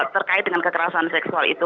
terkait dengan kekerasan seksual itu